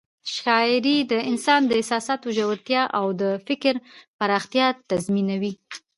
شاعري د انسان د احساساتو ژورتیا او د فکر پراختیا تضمینوي.